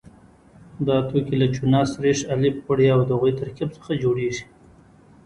دا توکي له چونه، سريښ، الف غوړي او د هغوی ترکیب څخه جوړیږي.